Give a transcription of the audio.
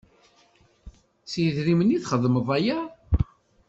S yedrimen i txeddmeḍ aya?